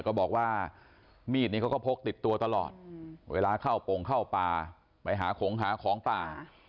ก็บอกว่ามีดนี้เขาก็พกติดตัวตลอดเวลาเข้าปงเข้าป่าไปหาขงหาของป่า